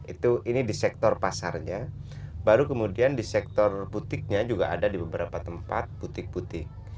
itu ini di sektor pasarnya baru kemudian di sektor butiknya juga ada di beberapa tempat butik butik